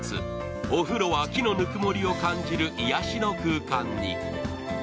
お風呂は木のぬくもりを感じる癒やしの空間に。